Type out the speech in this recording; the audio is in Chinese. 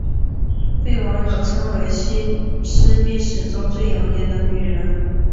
被网友称为西施秘史中最养眼的女人。